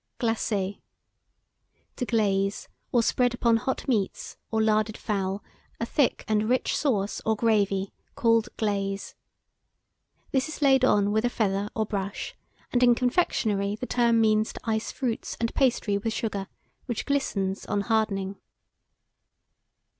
GLACER. To glaze, or spread upon hot meats, or larded fowl, a thick and rich sauce or gravy, called glaze. This is laid on with a feather or brush, and in confectionary the term means to ice fruits and pastry with sugar, which glistens on hardening.